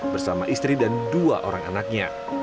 bersama istri dan dua orang anaknya